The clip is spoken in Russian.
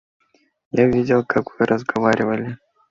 Я видел, как вы разговаривали.